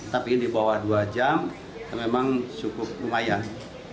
tapi di bawah dua jam memang cukup lumayan